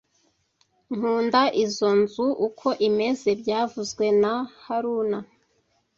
Nkunda izoi nzu uko imeze byavuzwe na haruna